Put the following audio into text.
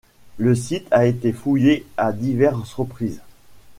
Le site a été fouillé à diverses reprises.